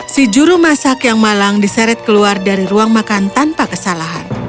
si juru masak yang malang diseret keluar dari ruang makan tanpa kesalahan